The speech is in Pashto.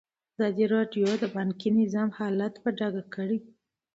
ازادي راډیو د بانکي نظام حالت په ډاګه کړی.